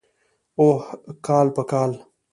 اوح کال په کال.